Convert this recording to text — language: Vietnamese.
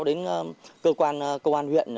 đến cơ quan cơ quan huyện